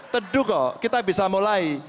teduh kok kita bisa mulai